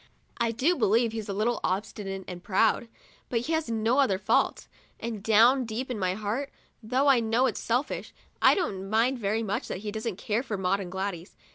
I do believe he's a little obstinate and proud; but he has no other faults, and down deep in my heart, though I know it's selfish, I don't mind very much that he doesn't care for Maud and Gladys.